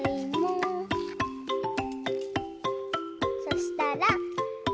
そしたら。